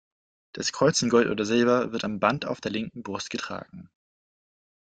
Das Kreuz in Gold oder Silber wird am Band auf der linken Brust getragen.